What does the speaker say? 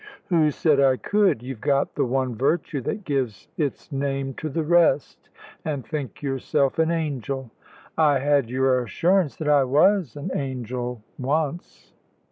"Who said I could? You've got the one virtue that gives its name to the rest, and think yourself an angel." "I had your assurance that I was an angel once."